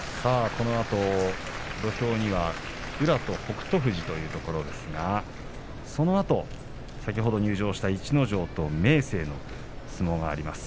このあと土俵には宇良と北勝富士というところですがそのあと先ほど入場した逸ノ城と明生の相撲があります。